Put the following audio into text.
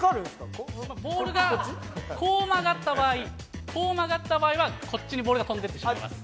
ボールがこう曲がった場合は、こっちにボールが飛んでいってしまいます。